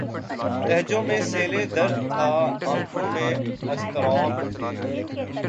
لہجوں میں سیلِ درد تھا‘ آنکھوں میں اضطراب تھے